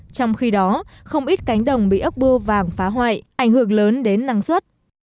trong khi đó không ít cánh đồng bị ốc bô vàng phá hoại ảnh hưởng lớn đến năng suất